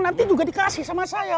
nanti juga dikasih sama saya